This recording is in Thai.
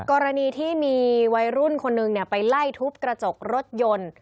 กรณีที่มีวัยรุ่นคนหนึ่งไปไล่ทุบกระจกรถยนต์